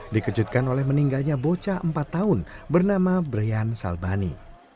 dikejutkan oleh meninggalnya bocah empat tahun bernama brian salbani